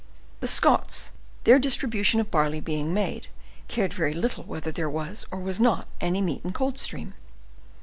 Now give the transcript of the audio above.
The Scots, their distribution of barley being made, cared very little whether there was or was not any meat in Coldstream.